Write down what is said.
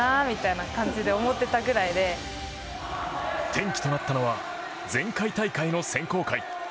転機となったのは前回大会の選考会。